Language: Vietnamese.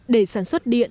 để sản xuất điện